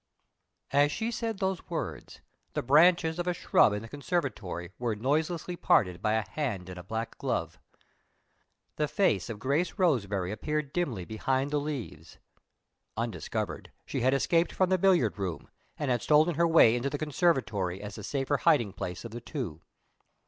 (As she said those words the branches of a shrub in the conservatory were noiselessly parted by a hand in a black glove. The face of Grace Roseberry appeared dimly behind the leaves. Undiscovered, she had escaped from the billiard room, and had stolen her way into the conservatory as the safer hiding place of the two.